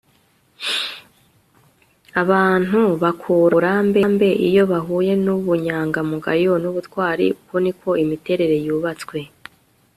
abantu bakura muburambe iyo bahuye nubunyangamugayo nubutwari uku ni ko imiterere yubatswe